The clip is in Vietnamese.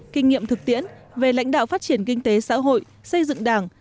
kinh nghiệm thực tiễn về lãnh đạo phát triển kinh tế xã hội xây dựng đảng